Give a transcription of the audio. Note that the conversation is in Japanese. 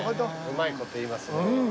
うまいこと言いますね。